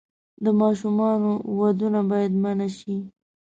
د ماشومانو ودونه باید منع شي.